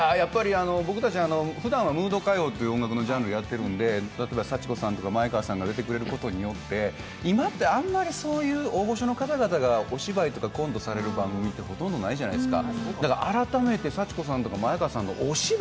僕たちふだんはムード歌謡という音楽のジャンルをやっているので、例えば幸子さんとか前川さんが出られることによって、今って、あんまりそういう大御所の方々がお芝居とかコントをされる番組ってないじゃないですか。